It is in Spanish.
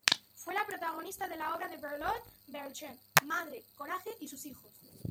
Fue la protagonista de la obra de Bertolt Brecht, "Madre Coraje y sus hijos".